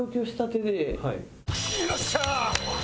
よっしゃー！